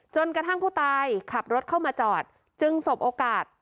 กระทั่งผู้ตายขับรถเข้ามาจอดจึงสบโอกาส